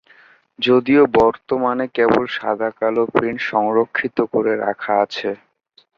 যদিও বর্তমানে কেবল সাদা কালো প্রিন্ট সংরক্ষিত করে রাখা আছে।